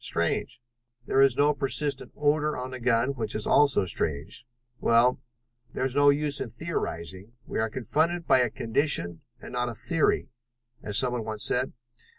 Strange. There is no persistent odor on the gun, which is also strange. Well, there's no use in theorizing: we are confronted by a condition and not a theory, as someone once said.